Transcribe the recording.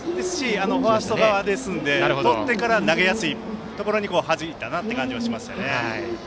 ファースト側ですのでとってから投げやすいところにはじいたなという感じがしますね。